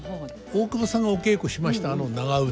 大久保さんがお稽古しましたあの長唄